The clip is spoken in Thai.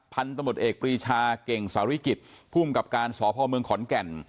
พันธุ์ตำรวจเอกปรีชาเก่งสาริกิจภูมิกับการสอบภอมเมืองขอนแก่น